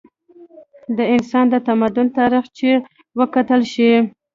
د انسان د تمدن تاریخ چې وکتلے شي